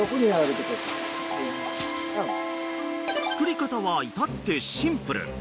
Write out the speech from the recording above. ［作り方は至ってシンプル］